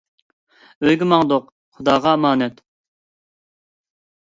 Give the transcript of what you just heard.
ئۆيگە ماڭدۇق، خۇداغا ئامانەت!